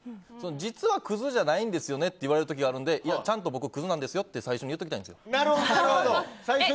実はクズじゃないですよねって言われることがあるのでいや、ちゃんと僕クズなんですよって最初に言っておきたいんですよ。